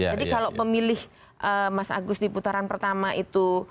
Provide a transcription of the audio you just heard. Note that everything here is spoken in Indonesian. jadi kalau pemilih mas agus di putaran pertama itu